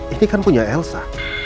ini kan punya elsa